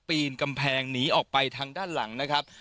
ปีนกำแพงหนีออกไปทางด้านหลังนะครับ